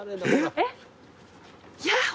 えっ。